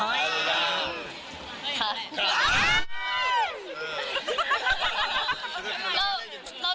อื้อเด็กเนาะ